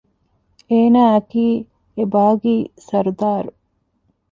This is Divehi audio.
އޭނާއަކީ އެބާޣީ ސަރުދާރު